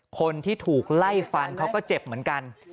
คนที่ถูกไล่ฟันเขาก็เจ็บเหมือนกัน